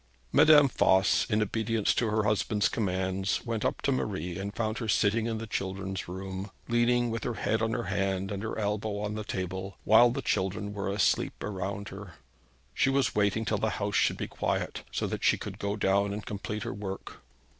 Madame Voss, in obedience to her husband's commands, went up to Marie and found her sitting in the children's room, leaning with her head on her hand and her elbow on the table, while the children were asleep around her. She was waiting till the house should be quiet, so that she could go down and complete her work.